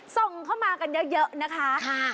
ส่งเข้ามากันเยอะนะคะ